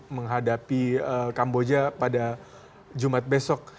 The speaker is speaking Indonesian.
menghadapi kamboja pada jumat besok